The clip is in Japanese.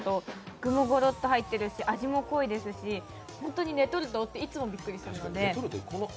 具もごろっと入ってるし、味も濃いですし、本当にレトルト？っていつもびっくりするので。